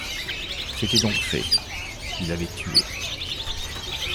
C’était donc fait, il avait tué.